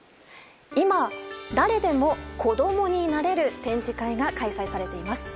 今、誰でもこどもになれる展示会が開催されています。